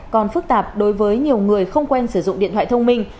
còn phức tạp đối với nhiều người không quen sử dụng điện thoại thông minh